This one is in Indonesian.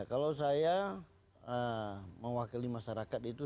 kalau saya mewakili masyarakat itu